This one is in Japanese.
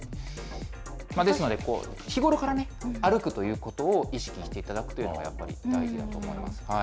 ですので、日頃からね、歩くということを意識していただくというのがやっぱり大事だと思います。